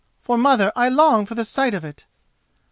for, mother, I long for the sight of it."